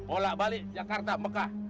olak balik jakarta mekah